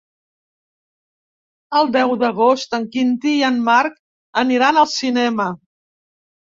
El deu d'agost en Quintí i en Marc aniran al cinema.